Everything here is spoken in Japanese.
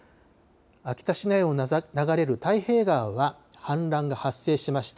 秋田市内を流れる太平川は氾濫が発生しました。